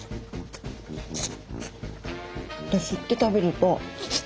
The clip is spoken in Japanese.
吸って食べると。